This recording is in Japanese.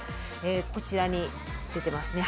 こちらに出てますね。